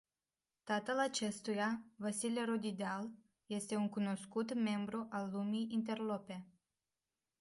Tatăl acestuia, Vasile Rodideal este un cunoscut membru al lumii interlope.